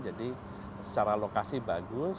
jadi secara lokasi bagus